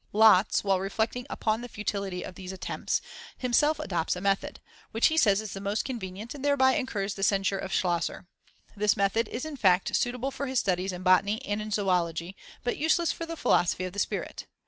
Lotze, while reflecting upon the futility of these attempts, himself adopts a method, which he says is the most "convenient," and thereby incurs the censure of Schasler. This method is in fact suitable for his studies in botany and in zoology, but useless for the philosophy of the spirit.